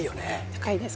高いです